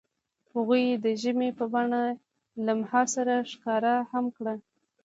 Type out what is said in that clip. هغوی د ژمنې په بڼه لمحه سره ښکاره هم کړه.